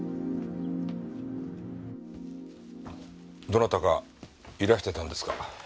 どなたかいらしてたんですか？